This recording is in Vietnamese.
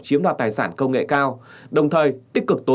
chiếm đạt tài sản công nghệ cao